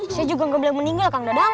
saya juga enggak boleh meninggal kang dadang